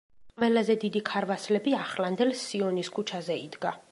ყველაზე დიდი ქარვასლები ახლანდელ სიონის ქუჩაზე იდგა.